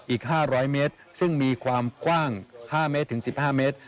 อีก๕๐๐เมตรซึ่งมีความกว้าง๕เมตรถึง๑๕เมตร